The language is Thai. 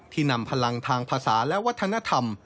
นำพลังทางภาษาและวัฒนธรรม